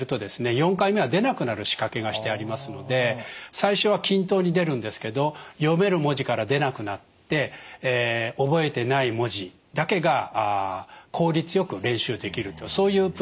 ４回目は出なくなる仕掛けがしてありますので最初は均等に出るんですけど読める文字から出なくなって覚えてない文字だけが効率よく練習できるそういうプログラムになっています。